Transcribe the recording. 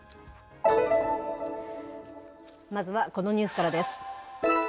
まずはこのニュースからです。